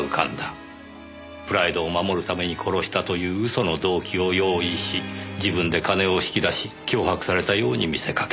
プライドを守るために殺したという嘘の動機を用意し自分で金を引き出し脅迫されたように見せかける。